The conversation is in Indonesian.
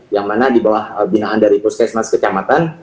yang mana di bawah binaan dari puskesmas kecamatan